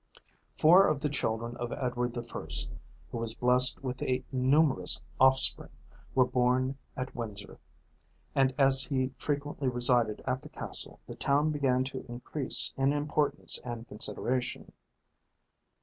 Four of the children of Edward the First, who was blessed with a numerous offspring, were born at Windsor; and as he frequently resided at the castle, the town began to increase in importance and consideration.